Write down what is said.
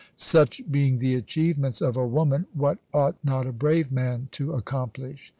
Such being the achievements of a woman, what ought not a brave man to accomplish